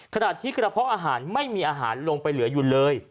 ขณะที่กระเพาะอาหารไม่มีอาหารลงไปเหลืออยู่เลย